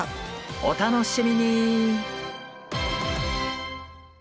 お楽しみに！